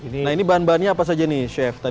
nah ini bahan bahannya apa saja nih chef